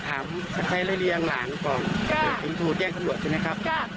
ถูแกล้งกำลัวไม่น่าจะเกิดขึ้นยายก็ใจหายนะ